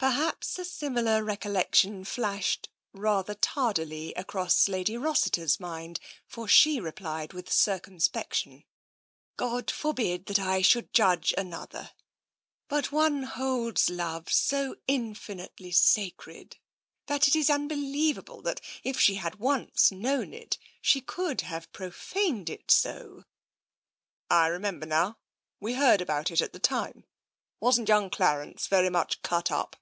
Perhaps a similar recollection flashed rather tardily across Lady Rossiter's mind, for she replied with cir cumspection :" God forbid that I should judge another ! But one holds Love so infinitely sacred, that it is unbeliev able that, if she had once known it, she could have profaned it so.'' " I remember now ; we heard about it at the time. Wasn't young Clarence very much cut up